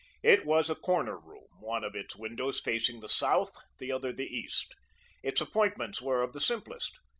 It was a corner room; one of its windows facing the south, the other the east. Its appointments were of the simplest.